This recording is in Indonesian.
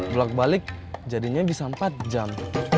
bolak balik jadinya bisa empat jam